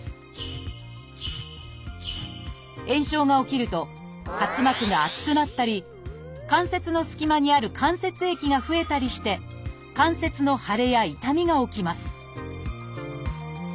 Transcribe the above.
炎症が起きると滑膜が厚くなったり関節の隙間にある関節液が増えたりして関節の腫れや痛みが起きます